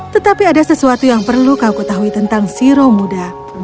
tetapi ada sesuatu yang perlu kau ketahui tentang zero muda